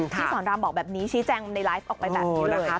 พี่สอนรามบอกแบบนี้ชี้แจงในไลฟ์ออกไปแบบนี้นะคะ